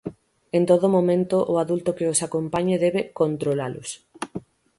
En todo momento, o adulto que os acompañe debe "controlalos".